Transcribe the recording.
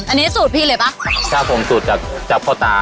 อันนี้สูตรพี่เลยป่ะครับผมสูตรจากจับพ่อตา